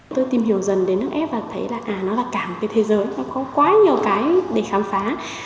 tôi tìm hiểu dần đến nước ép và thấy là nó là cả một cái thế giới nó có quá nhiều cái để khám phá